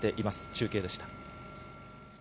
中継でした。